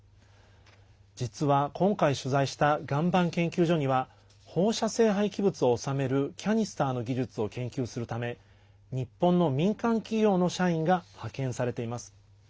実は今回取材した岩盤研究所には放射性廃棄物を収めるキャニスターの技術を研究するため日本の民間企業の社員が派遣されています。